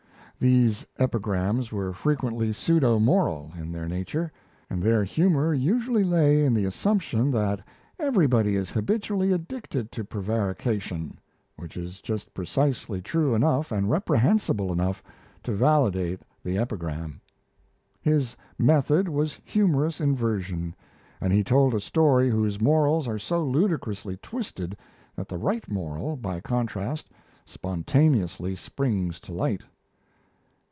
These epigrams were frequently pseudo moral in their nature; and their humour usually lay in the assumption that everybody is habitually addicted to prevarication which is just precisely true enough and reprehensible enough to validate the epigram. His method was humorous inversion; and he told a story whose morals are so ludicrously twisted that the right moral, by contrast, spontaneously springs to light.